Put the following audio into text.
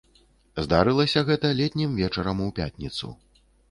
Здарылася гэта летнім вечарам у пятніцу.